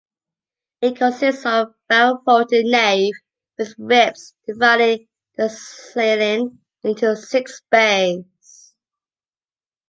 It consists of a barrel-vaulted nave, with ribs dividing the ceiling into six bays.